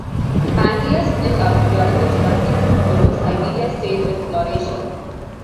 Pangaea split up during the Jurassic though Siberia stayed with Laurasia.